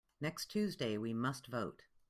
Next Tuesday we must vote.